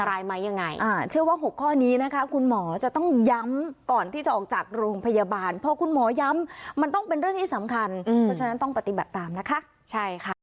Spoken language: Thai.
อันตรายไหมยังไง